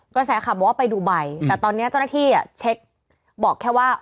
กระแสขับบอกว่าไปดูใบแต่ตอนนี้เจ้าหน้าที่เช็คบอกแค่ว่า